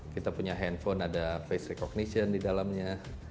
kita punya handphone ada face recognition di dalamnya